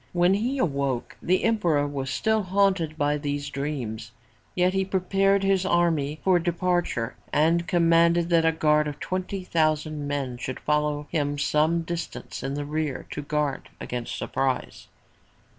When he awoke the emperor was still haunted by these dreams, yet he prepared his army for departure and commanded that a guard of twenty thousand men should follow him some distance in the rear to guard against surprise.